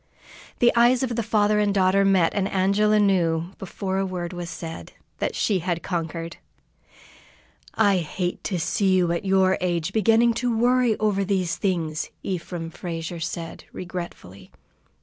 The eyes of the father and daughter met, and Angela knew, before a word was said, that she had conquered. "I hate to see you at your age, beginning to worry over these things," Ephraim Frazier said, regretfully.